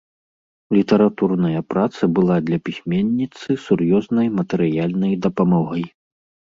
Літаратурная праца была для пісьменніцы сур'ёзнай матэрыяльнай дапамогай.